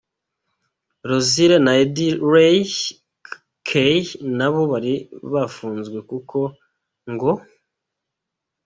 Rosile and Eddie Ray Kahn na bo bari bafunzwe kuko ngo.